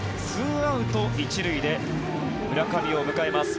２アウト１塁で村上を迎えます。